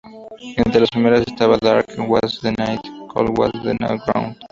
Entre las primeras estaba "Dark Was the Night, Cold Was the Ground".